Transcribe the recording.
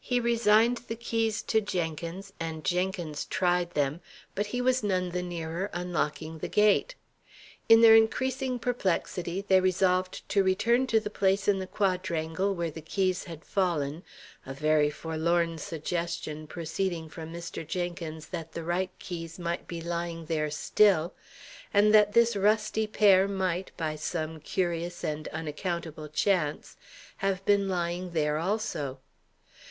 He resigned the keys to Jenkins, and Jenkins tried them: but he was none the nearer unlocking the gate. In their increasing perplexity, they resolved to return to the place in the quadrangle where the keys had fallen a very forlorn suggestion proceeding from Mr. Jenkins that the right keys might be lying there still, and that this rusty pair might, by some curious and unaccountable chance, have been lying there also.